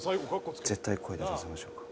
絶対声出させましょうか。